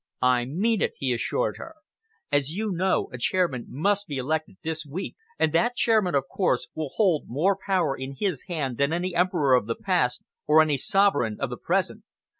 "I mean it," he assured her. "As you know, a chairman must be elected this week, and that chairman, of course, will hold more power in his hand than any emperor of the past or any sovereign of the present.